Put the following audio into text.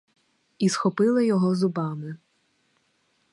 І схопила його зубами.